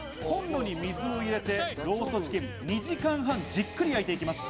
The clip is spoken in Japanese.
コンロに水を入れてローストチキンを２時間半じっくり焼いていきます。